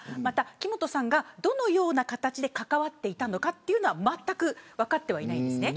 木本さんが、どのような形で関わっていたのかというのはまったく分かってはいないんですね。